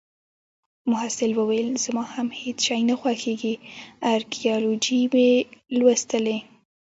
محصل وویل: زما هم هیڅ شی نه خوښیږي. ارکیالوجي مې لوستلې